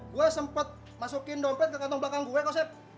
gue sempet masukin dompet ke kantong belakang gue kok sep